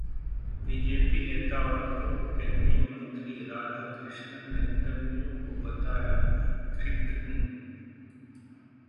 BJP नेता और पूर्व केंद्रीय मंत्री राधाकृष्णन ने तमिलों को बताया ‘कृतघ्न’